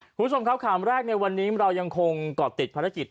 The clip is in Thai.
คุณผู้ชมครับข่าวแรกในวันนี้เรายังคงเกาะติดภารกิจ